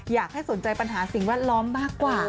อยากให้สนใจปัญหาสิ่งแวดล้อมมากกว่า